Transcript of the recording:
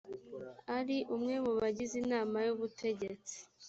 ari umwe mu bagize inama y ubutegetsi